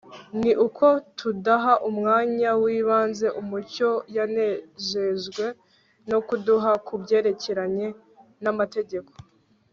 ni uko tudaha umwanya w'ibanze umucyo yanejejwe no kuduha ku byerekeranye n'amategeko